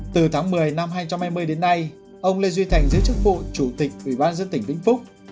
từ tháng một mươi năm hai nghìn hai mươi đến nay ông lê duy thành giữ chức vụ chủ tịch ủy ban dân tỉnh vĩnh phúc